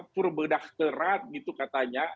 purbedah terat gitu katanya